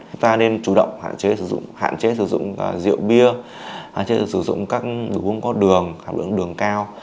chúng ta nên chủ động hạn chế sử dụng rượu bia hạn chế sử dụng các đường đường cao